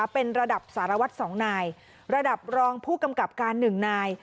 เป็นระดับสารวัตร๒นายระดับรองผู้กำกับการ๑นาย